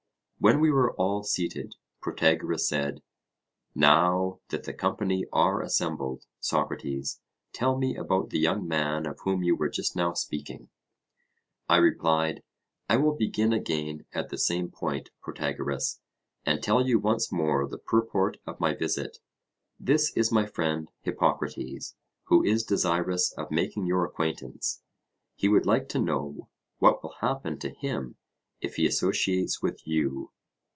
When we were all seated, Protagoras said: Now that the company are assembled, Socrates, tell me about the young man of whom you were just now speaking. I replied: I will begin again at the same point, Protagoras, and tell you once more the purport of my visit: this is my friend Hippocrates, who is desirous of making your acquaintance; he would like to know what will happen to him if he associates with you.